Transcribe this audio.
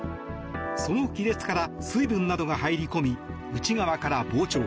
その亀裂から水分などが入り込み内側から膨張。